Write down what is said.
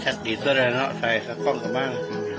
แชทดีตัวเนี่ยเนอะใส่สะคอมกับบ้าน